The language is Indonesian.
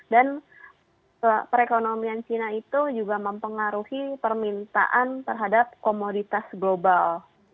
dan perekonomian china itu juga mempengaruhi permintaan terhadap komoditas global